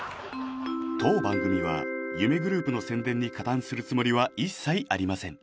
当番組は夢グループの宣伝に加担するつもりは一切ありません